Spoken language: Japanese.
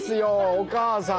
おばさん！